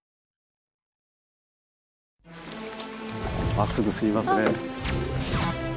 まっすぐ進みますね。